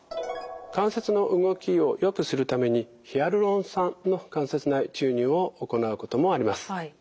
関節の動きをよくするためにヒアルロン酸の関節内注入を行うこともあります。